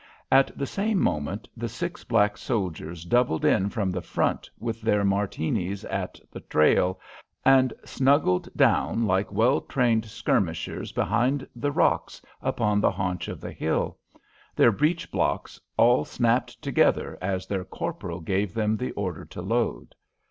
At the same moment the six black soldiers doubled in from the front with their Martinis at the trail, and snuggled down like well trained skirmishers behind the rocks upon the haunch of the hill. Their breech blocks all snapped together as their corporal gave them the order to load.